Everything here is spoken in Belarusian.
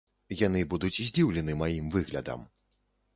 Яны будуць здзіўлены маім выглядам.